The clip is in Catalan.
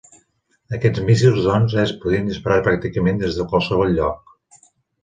Aquests míssils, doncs, es podien disparar pràcticament des de qualsevol lloc.